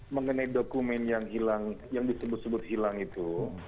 mengenai dokumen yang hilang yang disebut sebut hilang itu